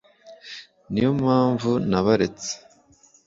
ni yo mpamvu nabaretse